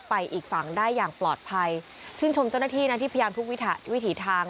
อีกฝั่งได้อย่างปลอดภัยชื่นชมเจ้าหน้าที่นะที่พยายามทุกวิถีวิถีทาง